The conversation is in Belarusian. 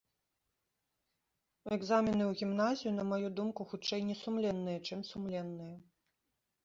Экзамены ў гімназію, на маю думку, хутчэй несумленныя, чым сумленныя.